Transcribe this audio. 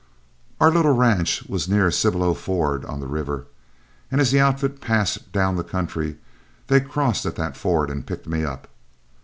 Our little ranch was near Cibollo Ford on the river, and as the outfit passed down the country, they crossed at that ford and picked me up.